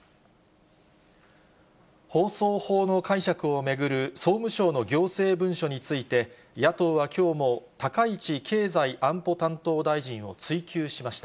放送法の解釈を巡る総務省の行政文書について、野党はきょうも、高市経済安保担当大臣を追及しました。